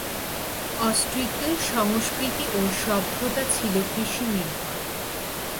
অস্ট্রিকদের সংস্কৃতি ও সভ্যতা ছিল কৃষি নির্ভর।